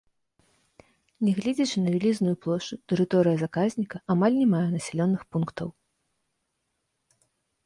Негледзячы на вялізную плошчу, тэрыторыя заказніка амаль не мае населеных пунктаў.